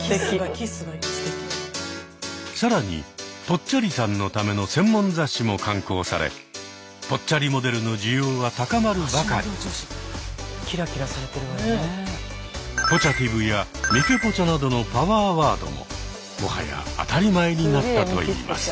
更にぽっちゃりさんのための専門雑誌も刊行されぽっちゃりモデルの需要は高まるばかり。などのパワーワードももはや当たり前になったといいます。